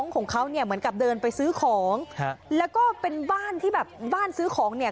ของเขาเนี่ยเหมือนกับเดินไปซื้อของฮะแล้วก็เป็นบ้านที่แบบบ้านซื้อของเนี่ย